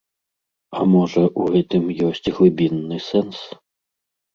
А можа, у гэтым ёсць глыбінны сэнс?